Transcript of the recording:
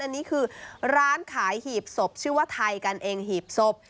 อันนี้คือร้านขายหีบศพชื่อว่าไทยกันเองหีบศพ